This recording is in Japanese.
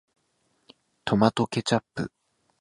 トマトケチャップ